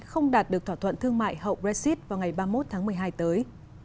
không đạt được thỏa thuận thương mại hậu brexit vào ngày ba mươi một tháng một mươi hai tới